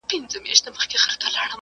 کمپيوټر فايل ړنګوي.